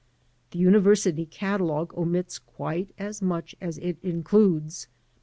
The university catalogue omits quite as much as it includes.